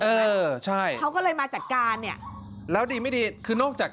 เออใช่เขาก็เลยมาจัดการเนี่ยแล้วดีไม่ดีคือนอกจาก